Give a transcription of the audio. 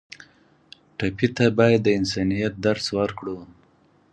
ټپي ته باید د انسانیت درس ورکړو.